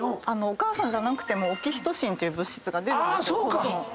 お母さんじゃなくてもオキシトシンっていう物質出るんです。